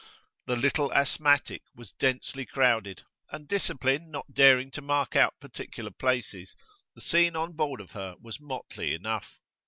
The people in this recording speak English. The "Little Asthmatic" was densely crowded, and discipline not daring to mark out particular places, the scene on board of her was motley enough.